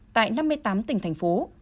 tại năm mươi tám tỉnh thành phố